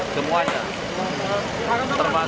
sesuai dengan anjuran pemerintah